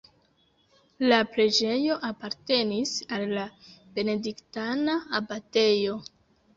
La preĝejo apartenis al la benediktana abatejo.